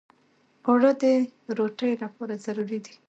اوړه د روتۍ لپاره ضروري دي